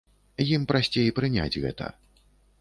Ім прасцей прыняць гэта.